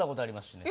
あります。